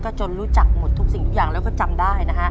จนรู้จักหมดทุกสิ่งทุกอย่างแล้วก็จำได้นะฮะ